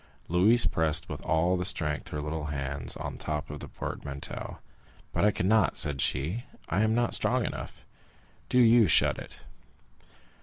Louise pressed with all the strength of her little hands on the top of the portmanteau. "But I cannot," said she; "I am not strong enough; do you shut it."